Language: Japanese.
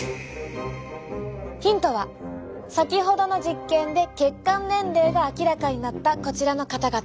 ヒントは先ほどの実験で血管年齢が明らかになったこちらの方々。